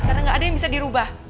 karena tidak ada yang bisa dirubah